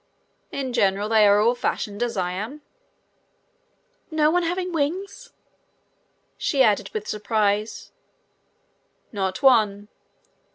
"In general they are all fashioned as I am." "No one having wings?" she added with surprise. "Not one."